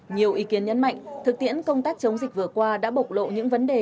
nhiều ý kiến nhấn mạnh thực tiễn công tác chống dịch vừa qua đã bộc lộ những vấn đề